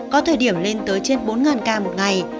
có thời điểm lên tới trên bốn ca một ngày